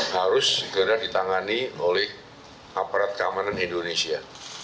harus segera ditangani oleh aparat keamanan indonesia